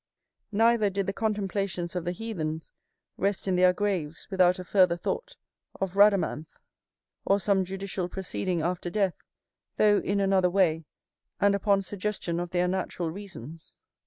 Neither did the contemplations of the heathens rest in their graves, without a further thought, of Rhadamanth or some judicial proceeding after death, though in another way, and upon suggestion of their natural reasons.